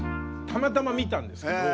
たまたま見たんですけど。